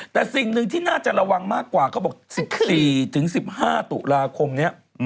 แต่สิ่งหนึ่งที่น่าจะระวังมากกว่าเขาบอก๑๔๑๕ตุลาคมนี้